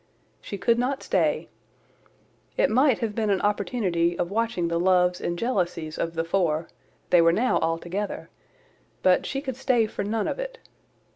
She could not stay. It might have been an opportunity of watching the loves and jealousies of the four—they were now altogether; but she could stay for none of it.